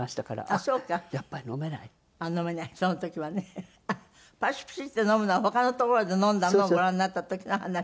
あっパシッピシッて飲むのは他のところで飲んだのをご覧になった時の話。